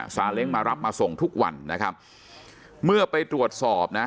เล้งมารับมาส่งทุกวันนะครับเมื่อไปตรวจสอบนะ